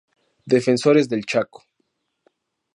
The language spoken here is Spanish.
Defensores del Chaco.